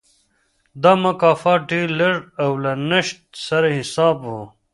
دا مکافات ډېر لږ او له نشت سره حساب و.